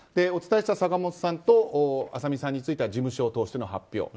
お伝えした坂本さんと朝海さんについては事務所を通しての発表。